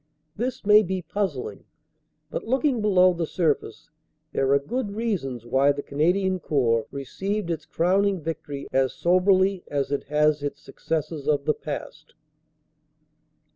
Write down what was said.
This may be puzzling, but looking below the surface there are good reasons why the Canadian Corps received its crowning victory as soberly as it has its successes of the past.